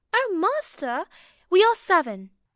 " O Master! we are seven."